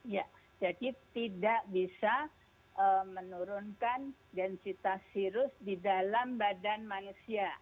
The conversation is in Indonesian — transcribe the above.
ya jadi tidak bisa menurunkan densitas virus di dalam badan manusia